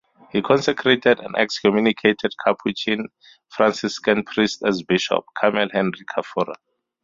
He consecrated an excommunicated Capuchin Franciscan priest as bishop: Carmel Henry Carfora.